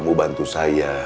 kamu bantu saya